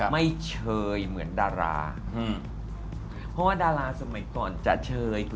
เชยเหมือนดาราอืมเพราะว่าดาราสมัยก่อนจะเชย